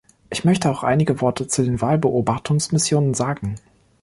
Ich möchte auch einige Worte zu den Wahlbeobachtungsmissionen sagen.